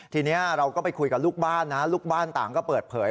ทีนี้เราก็ไปคุยกับลูกบ้านนะลูกบ้านต่างก็เปิดเผย